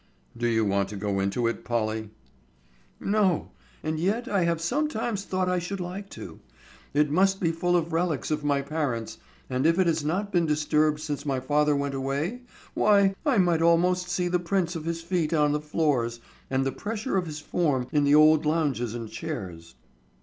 "Do you want to go into it, Polly?" "No—and yet I have sometimes thought I should like to. It must be full of relics of my parents, and if it has not been disturbed since my father went away, why, I might almost see the prints of his feet on the floors, and the pressure of his form in the old lounges and chairs."